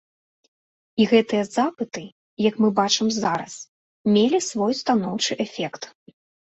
І гэтыя запыты, як мы бачым зараз, мелі свой станоўчы эфект.